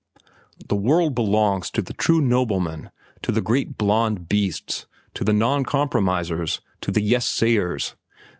The world belongs to the true nobleman, to the great blond beasts, to the noncompromisers, to the 'yes sayers.